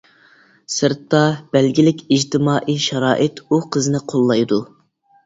سىرتتا بەلگىلىك ئىجتىمائىي شارائىت ئۇ قىزنى قوللايدۇ.